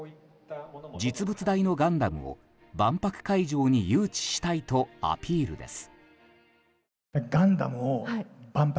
実物大のガンダムを万博会場に誘致したいとアピールです。